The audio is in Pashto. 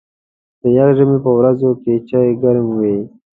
د یخ ژمي په ورځو کې چای ګرم وي.